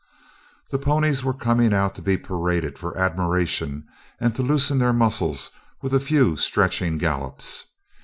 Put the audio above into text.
The ponies were coming out to be paraded for admiration and to loosen their muscles with a few stretching gallops.